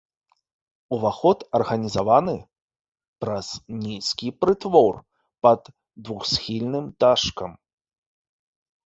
Уваход арганізаваны праз нізкі прытвор пад двухсхільным дашкам.